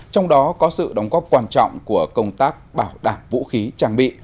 trong đó có sự đóng góp quan trọng của công tác bảo đảm vũ khí trang bị